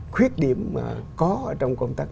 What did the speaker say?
khuyết điểm mà có trong công tác